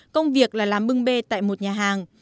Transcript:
công việc là làm bưng bê tại một nhà hàng